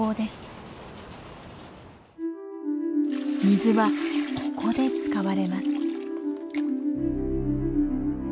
水はここで使われます。